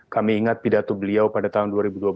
kami ingat pidato beliau pada tahun dua ribu dua belas